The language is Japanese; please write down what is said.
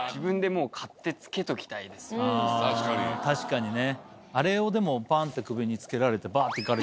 確かにね。